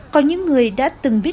có những người đã từng bịt mắt